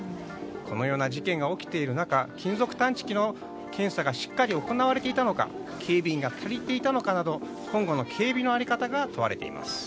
このような事件が起きている中金属探知機の検査がしっかり行われていたのか警備員が足りていたのかなど今後の警備の在り方が問われています。